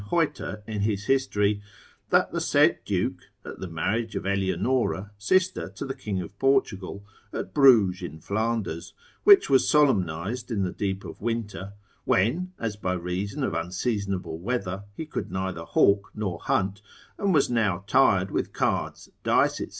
Heuter in his history) that the said duke, at the marriage of Eleonora, sister to the king of Portugal, at Bruges in Flanders, which was solemnised in the deep of winter, when, as by reason of unseasonable weather, he could neither hawk nor hunt, and was now tired with cards, dice, &c.